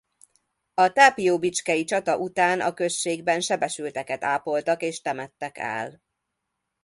A tápióbicskei csata után a községben sebesülteket ápoltak és temettek el.